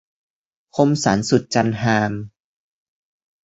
คมสันต์ สุดจันทร์ฮาม